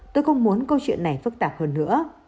tôi không muốn câu chuyện này phức tạp hơn nữa